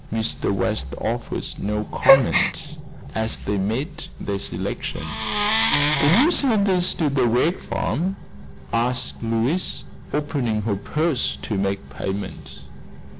Mr. West offered no comment as they made their selection. "Can you send this to the Wegg farm?" asked Louise, opening her purse to make payment.